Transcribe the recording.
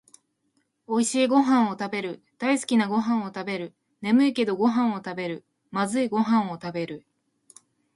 おいしいごはんをたべる、だいすきなごはんをたべる、ねむいけどごはんをたべる、まずいごはんをたべる